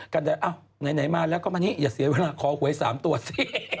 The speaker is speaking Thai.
กันแบบอ้าวไหนมาแล้วก็มานี่อย่าเสียเวลาขอหัวให้สามตัวสิ